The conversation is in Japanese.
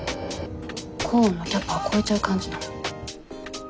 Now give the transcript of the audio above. コーンのキャパを超えちゃう感じなの。